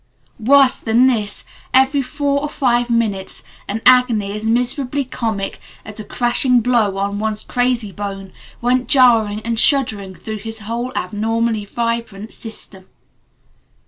Worse than this; every four or five minutes an agony as miserably comic as a crashing blow on one's crazy bone went jarring and shuddering through his whole abnormally vibrant system.